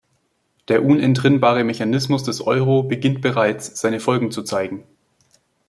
Der unentrinnbare Mechanismus des Euro beginnt bereits, seine Folgen zu zeigen.